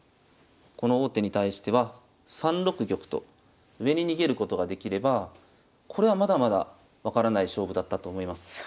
この王手に対しては３六玉と上に逃げることができればこれはまだまだ分からない勝負だったと思います。